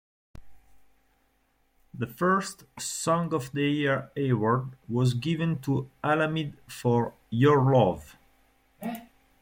The first "Song of the Year Award" was given to Alamid for "Your Love".